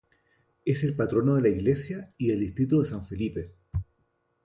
Es el patrono de la iglesia y del distrito de San Felipe.